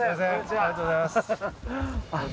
ありがとうございます。